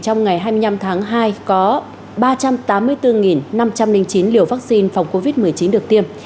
trong ngày hai mươi năm tháng hai có ba trăm tám mươi bốn năm trăm linh chín liều vaccine phòng covid một mươi chín được tiêm